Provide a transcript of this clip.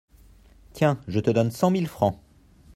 Tiens ! je donne cent mille francs !